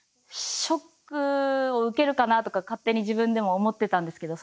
ショックを受けるかなとか勝手に自分でも思っていたんですけど